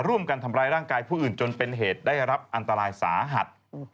ร่วมกันทำร้ายร่างกายผู้อื่นจนเป็นเหตุได้รับอันตรายสาหัส